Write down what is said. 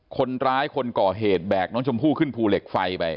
คนร้ายคนก่อเหตุแบกน้องชมพู่ขึ้นภูเหล็กไฟไป